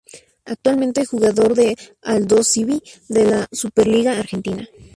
Actualmente jugador de Aldosivi de la Superliga Argentina.